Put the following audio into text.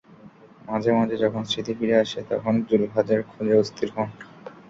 মাঝে মাঝে যখন স্মৃতি ফিরে আসে, তখন জুলহাজের খোঁজে অস্থির হন।